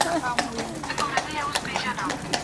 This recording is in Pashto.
ټولنه به په راتلونکې لسیزه کې بدلون کړی وي.